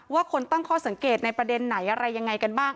คนตั้งข้อสังเกตในประเด็นไหนอะไรยังไงกันบ้าง